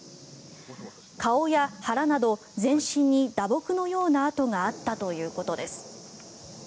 顔や腹など全身に打撲のような痕があったということです。